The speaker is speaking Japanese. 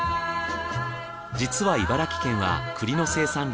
実は茨城県は栗の生産量